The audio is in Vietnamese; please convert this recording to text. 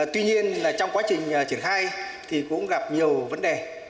tuy nhiên trong quá trình triển khai thì cũng gặp nhiều vấn đề